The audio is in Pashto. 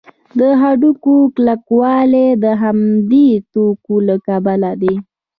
د هډوکو کلکوالی د همدې توکو له کبله دی.